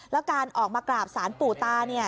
แล้วการออกมากราบสารปู่ตาเนี่ย